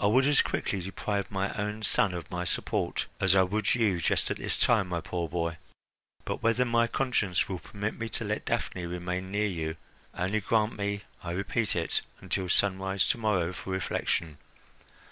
"I would as quickly deprive my own son of my support as I would you just at this time, my poor boy; but whether my conscience will permit me to let Daphne remain near you only grant me, I repeat it, until sunrise to morrow for reflection.